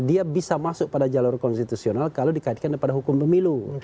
dia bisa masuk pada jalur konstitusional kalau dikaitkan pada hukum pemilu